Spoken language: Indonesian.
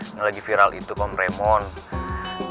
yang lagi viral itu ke om raymond